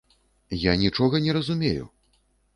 Я нічога не разумею!